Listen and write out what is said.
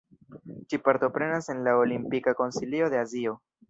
Ĝi partoprenas en la Olimpika Konsilio de Azio.